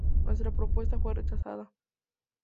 Nuestra propuesta fue rechazada.